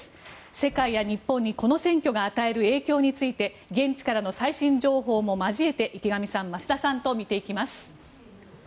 世界や日本にこの選挙が与える影響について現地からの最新情報も交えて池上さん、増田さんと見ていきます。